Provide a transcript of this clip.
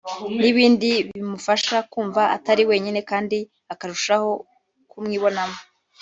n’ibindi bimufasha kumva Atari wenyine kandi akarushaho kumwibonamo